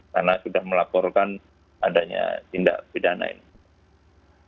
karena sudah melaporkan adanya tindak pidana ini